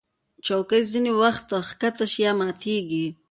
چوکۍ ځینې وخت ښکته شي یا ماتېږي.